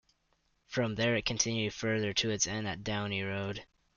From there, it continued further to its end at Downey Road.